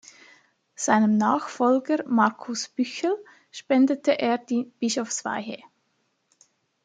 Seinem Nachfolger Markus Büchel spendete er die Bischofsweihe.